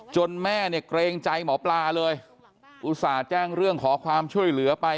แม่เนี่ยเกรงใจหมอปลาเลยอุตส่าห์แจ้งเรื่องขอความช่วยเหลือไป